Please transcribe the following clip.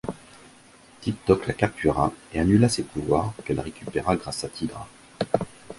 Tick-Tock la captura et annula ses pouvoirs, qu'elle récupéra grâce à Tigra.